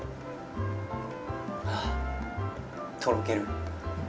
あぁとろける。